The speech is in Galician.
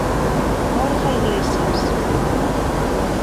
Borja Iglesias.